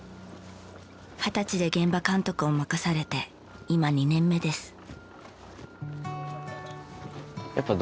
二十歳で現場監督を任されて今２年目です。